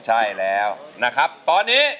ใช่แล้วนะครับตอนนี้